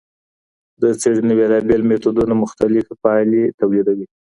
د څېړنې بیلابیل میتودونه مختلفې پایلې تولیدوي.